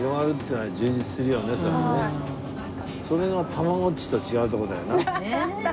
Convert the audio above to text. それがたまごっちと違うところだよな。